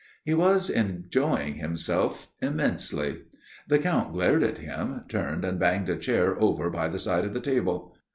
He was enjoying himself immensely. The Count glared at him, turned and banged a chair over by the side of the table.